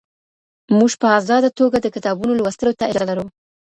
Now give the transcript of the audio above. موږ په ازادانه توګه د کتابونو لوستلو ته اجازه لرو.